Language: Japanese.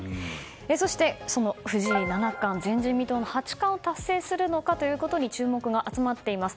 そして、その藤井七冠前人未到の八冠を達成するかに注目が集まっています。